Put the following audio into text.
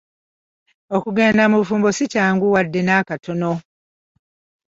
Okugenda mu bufumbo si kyangu wadde n'akatono.